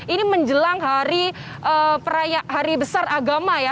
ini menjelang hari besar agama ya